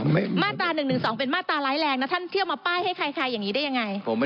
มาตรา๑๑๒เป็นมาตราร้ายแรงนะท่านเที่ยวมาป้ายให้ใครอย่างนี้ได้ยังไง